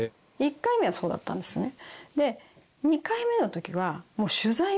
１回目はそうだったんですね。